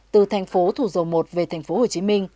từ thành phố thủ dầu một về thành phố hồ chí minh